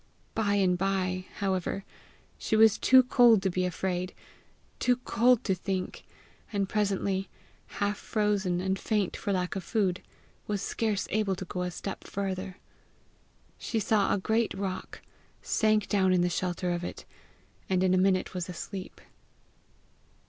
By and by, however, she was too cold to be afraid, too cold to think, and presently, half frozen and faint for lack of food, was scarce able to go a step farther. She saw a great rock, sank down in the shelter of it, and in a minute was asleep.